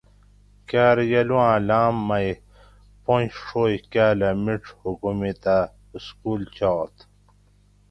کارگلو آں لاۤم مئی پنج ڛو کاۤلہ مِیڄ حکومیتہ سکول چات